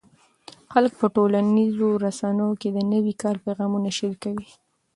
خلک په ټولنیزو رسنیو کې د نوي کال پیغامونه شریکوي.